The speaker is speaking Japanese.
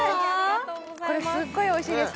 これすっごいおいしいんです